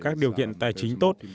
các điều kiện tài chính tốt